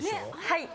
はい。